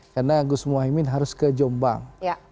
karena gus mohaimin harus ke jombang